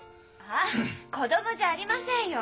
あっ子供じゃありませんよ。